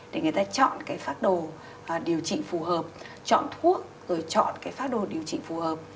để người ta chọn cái phát đồ điều trị phù hợp chọn thuốc rồi chọn cái phác đồ điều trị phù hợp